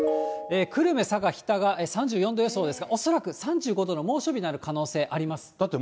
久留米、佐賀、日田が３４度予想ですが、３５度の猛暑日になる可能性あります。